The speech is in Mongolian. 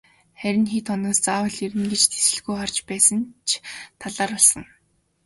Харин хэд хоногоос заавал ирнэ гэж тэсэлгүй харж байсан ч талаар болсон.